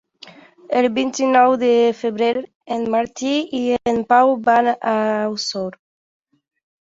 El vint-i-nou de febrer en Martí i en Pau van a Osor.